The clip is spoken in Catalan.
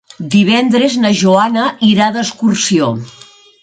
Divendres na Joana irà d'excursió.